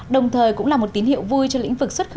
đồng thời cũng là một tín hiệu vui cho lĩnh vực của tổ chức